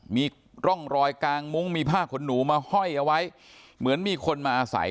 มีร่องรอยกางมุ้งมีผ้าขนหนูมาห้อยเอาไว้เหมือนมีคนมาอาศัย